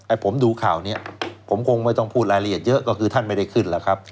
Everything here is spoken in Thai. ผมดูข่าวนี้ผมคงไม่ต้องพูดรายละเอียดเยอะก็คือท่านไม่ได้ขึ้นแล้วครับ